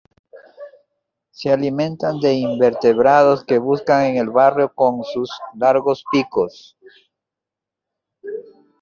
Se alimentan de invertebrados que buscan en el barro con sus largos picos.